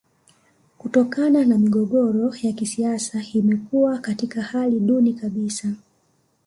Kutokana na migogoro ya kisiasa imekuwa katika hali duni kabisa